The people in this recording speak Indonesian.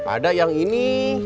ada yang ini